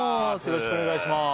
よろしくお願いします